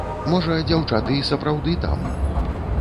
Можа, дзяўчаты і сапраўды там.